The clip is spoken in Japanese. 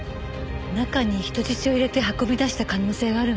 中に人質を入れて運び出した可能性はあるわね。